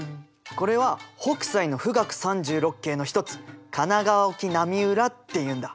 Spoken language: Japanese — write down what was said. これは北斎の「富嶽三十六景」の一つ「神奈川沖浪裏」っていうんだ。